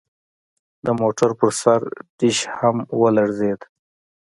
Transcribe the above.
د موټر پر سر ډیش هم ولړزید